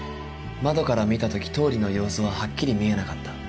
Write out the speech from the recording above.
窓から見た時倒理の様子ははっきり見えなかった。